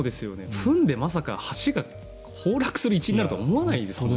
フンでまさか橋が崩落する一因になるとは思わないですもんね。